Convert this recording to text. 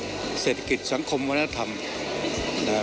แต่เศรษฐกิจสหกคมวนธรรมนึกข์